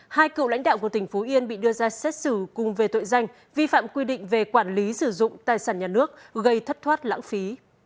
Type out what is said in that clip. hai cựu lãnh đạo của tỉnh phú yên bị đưa ra xét xử cùng về tội danh vi phạm quy định về quản lý sử dụng tài sản nhà nước gây thất thoát lãng phí